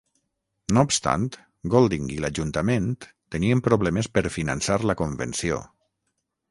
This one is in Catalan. No obstant, Golding i l'ajuntament tenien problemes per finançar la convenció.